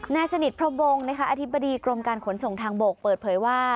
นายสนิทพรมวงศ์อธิบดีกรมการขนส่งทางบกเปิดเผยว่า